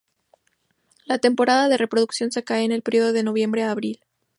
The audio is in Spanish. La temporada de reproducción se cae en el período de noviembre a abril.